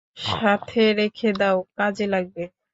সাথে রেখে দাও, কাজে লাগবে।